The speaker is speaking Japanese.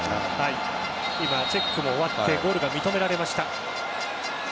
チェックも終わってゴールが認められました。